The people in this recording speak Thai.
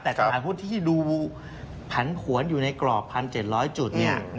แต่สถานพุทธที่ดูผันผวนอยู่ในกรอบ๑๗๐๐จุด